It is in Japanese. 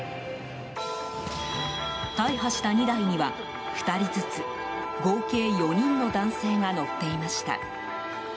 大破した２台には２人ずつ合計４人の男性が乗っていました。